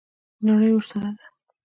نړۍ ورسره ده.